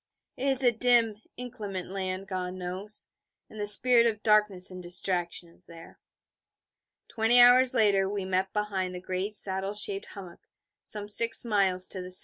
It is a dim, inclement land, God knows: and the spirit of darkness and distraction is there. Twenty hours later we met behind the great saddle shaped hummock, some six miles to the S.E.